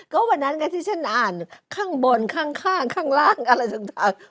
ก็วันนั้นที่ฉันอ่านข้างบนข้างข้างล่างอะไรต่าง